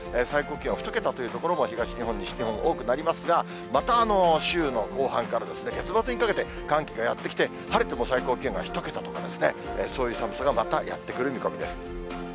最高気温２桁という所も東日本、西日本、多くなりますが、また週の後半から月末にかけて、寒気がやって来て、晴れても最高気温が１桁とか、そういう寒さがまたやって来る見込みです。